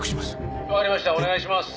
お願いします」